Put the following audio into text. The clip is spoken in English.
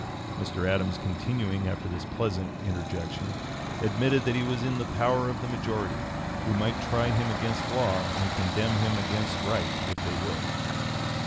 Mr. Adams, continuing after this pleasant interjection, admitted that he was in the power of the majority, who might try him against law and condemn him against right if they would.